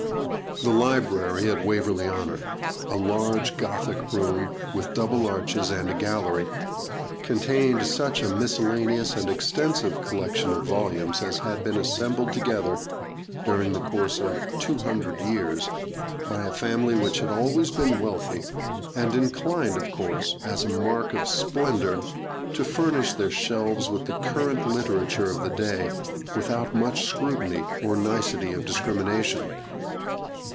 The library at Waverley Honour, a large Gothic room, with double arches and a gallery, contained such a miscellaneous and extensive collection of volumes as had been assembled together, during the course of two hundred years, by a family which had been always wealthy, and inclined, of course, as a mark of splendour, to furnish their shelves with the current literature of the day, without much scrutiny or nicety of discrimination.